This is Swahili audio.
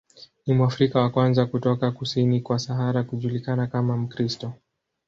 Ni Mwafrika wa kwanza kutoka kusini kwa Sahara kujulikana kama Mkristo.